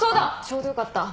ちょうどよかった。